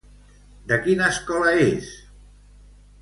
De quina escola és?